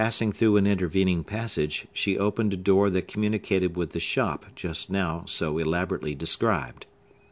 Passing through an intervening passage, she opened a door that communicated with the shop, just now so elaborately described.